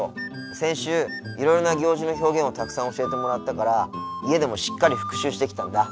先週いろいろな行事の表現をたくさん教えてもらったから家でもしっかり復習してきたんだ。